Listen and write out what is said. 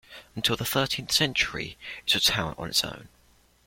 Until the thirteenth century, it was a town on its own.